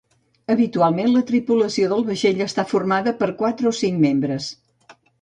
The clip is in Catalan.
Habitualment, la tripulació del vaixell està formada per quatre o cinc membres.